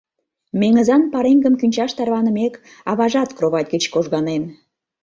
Меҥызан пареҥгым кӱнчаш тарванымек, аважат кровать гыч кожганен.